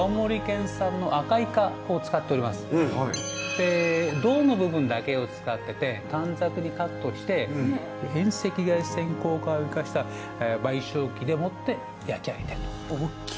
で胴の部分だけを使っていて短冊にカットして遠赤外線効果を生かした焙焼機でもって焼き上げてる。